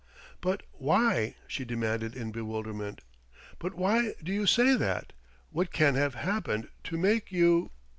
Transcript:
"But why?" she demanded in bewilderment. "But why do you say that? What can have happened to make you